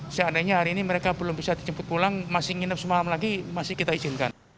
seandainya hari ini mereka belum bisa dijemput pulang masih nginep semalam lagi masih kita izinkan